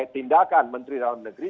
tindakan menteri dalam negeri